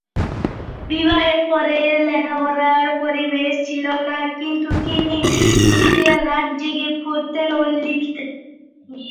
বিবাহের পরে লেখাপড়ার পরিবেশ ছিলনা কিন্তু তিনি লুকিয়ে রাত জেগে পড়তেন ও লিখতেন।